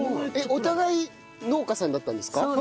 お互い農家さんだったんですか？